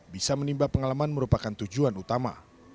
bisa menimba pengalaman merupakan tujuan utama